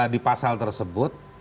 di pasal tersebut